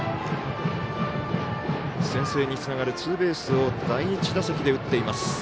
先制につながるツーベースを第１打席で打っています。